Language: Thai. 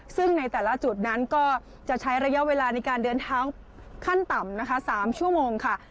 ซึ่งในแต่ละจุดนั้นก็จะใช้ระยะเวลาในการเดินเท้าขั้นต่ำนะคะ๓ชั่วโมงค่ะ